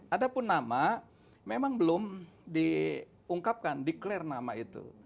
adapun nama memang belum diungkapkan declare nama itu